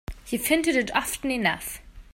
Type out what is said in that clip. You've hinted it often enough.